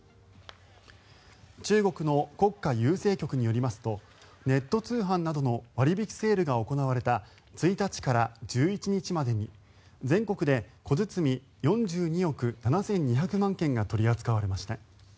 中国の国家郵政局によりますとネット通販などの割引セールが行われた１日から１１日までに全国で小包４２億７２００万件が取り扱われました。